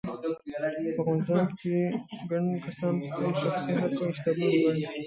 په افغانستان کې ګڼ کسان په خپلو شخصي هڅو کتابونه ژباړي